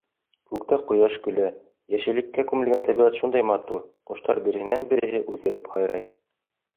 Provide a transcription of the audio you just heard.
Күктә ҡояш көлә, йәшеллеккә күмелгән тәбиғәт шундай матур, ҡоштар береһенән-береһе уҙҙырып һайрай.